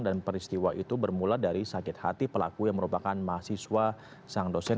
dan peristiwa itu bermula dari sakit hati pelaku yang merupakan mahasiswa sang dosen